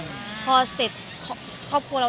มีปิดฟงปิดไฟแล้วถือเค้กขึ้นมา